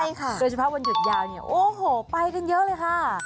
ใช่ค่ะโดยเฉพาะวันหยุดยาวเนี่ยโอ้โหไปกันเยอะเลยค่ะ